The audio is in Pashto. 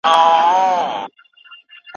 د هلمند څخه شرنګى د امېلونو